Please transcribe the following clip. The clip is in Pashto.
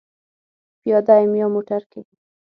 پیاده یم یا موټر کې؟